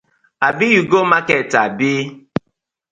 Abi you go market abi?